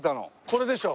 これでしょ。